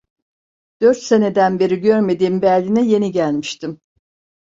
Dört seneden beri görmediğim Berlin'e yeni gelmiştim.